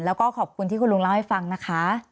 แล้วก็ขอบคุณที่คุณลุงเล่าให้ฟังนะคะ